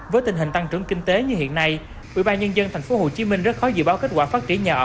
với tình hình tăng trưởng kinh tế như hiện nay ubnd tp hcm rất khó dự báo kết quả phát triển nhà ở